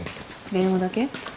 電話だけ？